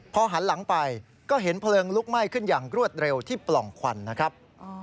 พอหันหลังไปก็เห็นเพลิงลุกไหม้ขึ้นอย่างรวดเร็วที่ปล่องควันนะครับ